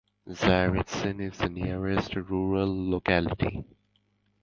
Tsaritsyn is the nearest rural locality.